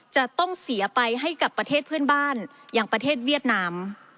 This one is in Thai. จะต้องเสียไปให้กับประเทศเพื่อนบ้านอย่างประเทศเวียดนาม